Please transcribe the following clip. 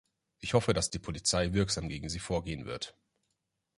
Ich hoffe, dass die Polizei wirksam gegen sie vorgehen wird.